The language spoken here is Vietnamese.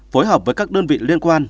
phối hợp với các đơn vị liên quan